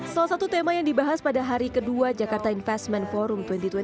salah satu tema yang dibahas pada hari kedua jakarta investment forum dua ribu dua puluh